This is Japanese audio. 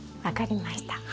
分かりました。